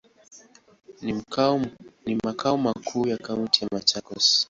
Ni makao makuu ya kaunti ya Machakos.